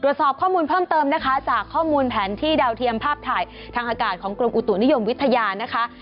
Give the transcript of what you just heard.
ตรวจสอบข้อมูลเพิ่มเติมนะคะจากข้อมูลแผนที่ดาวเทียมภาพถ่ายทางอากาศของกรมอุตุนิยมวิทยานะคะ